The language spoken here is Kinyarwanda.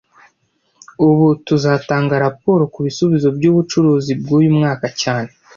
Ubu tuzatanga raporo kubisubizo byubucuruzi bwuyu mwaka cyane